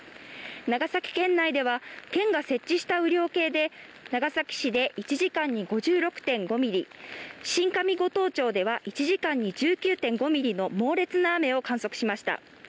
長崎県内では県が設置した雨量計で長崎市で１時間に５６．５ミリ、新上五島町では１時間に１９．５ミリの猛烈な雨を観測しました。